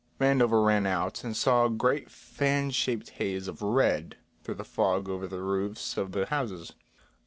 Vandover ran out and saw a great fan shaped haze of red through the fog over the roofs of the houses.